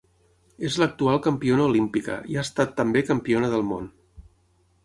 És l'actual campiona olímpica i ha estat també campiona del món.